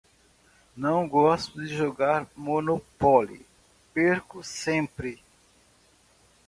Não gosto de jogar Monopoly, perco sempre!